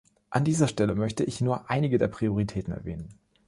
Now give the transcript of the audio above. An dieser Stelle möchte ich nur einige der Prioritäten erwähnen.